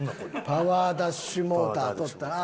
パワーダッシュモーター取ったな。